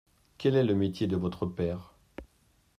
Quelle est le métier de votre père ?